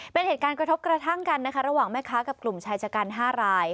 เป็นเหตุการณ์กระทบกระทั่งกันนะคะระหว่างแม่ค้ากับกลุ่มชายชะกัน๕ราย